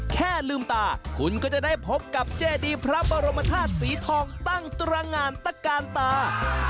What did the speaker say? แค่ลืมตาคุณก็จะได้พบกับเจดีพระบรมธาตุสีทองตั้งตรงานตะกาลตา